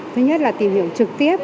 thứ nhất là tìm hiểu trực tiếp